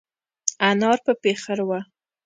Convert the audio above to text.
انار په پېخر وه.